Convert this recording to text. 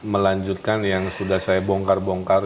melanjutkan yang sudah saya bongkar bongkar